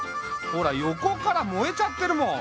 ほら横から燃えちゃってるもん。